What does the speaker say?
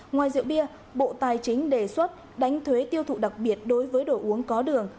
ngoài rượu bia bộ tài chính đề xuất đánh thuế tiêu thụ đặc biệt đối với đồ uống có đường